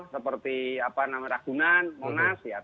seperti apa namanya ragunan monas ya